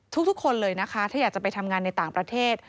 ทุกคนเลยนะคะถ้าอยากจะไปทำงานในต่างประเทศ